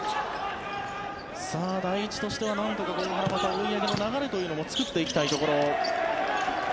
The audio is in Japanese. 第一としてはなんとか追い上げの流れというのも作っていきたいところ。